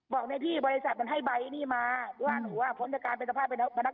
บอกในที่บริษัทมันให้ใบนี้มาว่าหนูอ่ะพ้นจากการเป็นสภาพเป็นพนักงาน